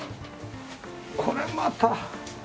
これまた。